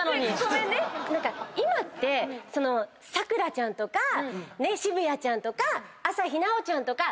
今って咲楽ちゃんとか渋谷ちゃんとか朝日奈央ちゃんとか。